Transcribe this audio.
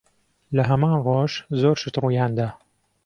لە هەمان ڕۆژ، زۆر شت ڕوویان دا.